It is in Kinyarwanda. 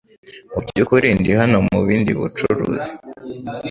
Mubyukuri ndi hano mubindi bucuruzi .